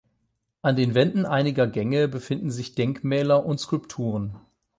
An den Wänden einiger Gänge befinden sich Denkmäler und Skulpturen.